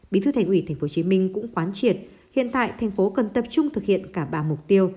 bí thư thành ủy tp hcm cũng khoán triệt hiện tại tp hcm cần tập trung thực hiện cả ba mục tiêu